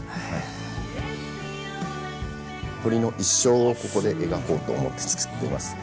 へぇ！をここで描こうと思って作っています。